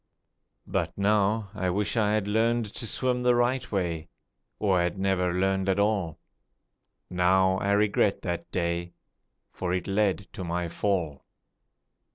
But now I wish I had learned to swim the right way, Or had never learned at all. Now I regret that day, For it led to my fall.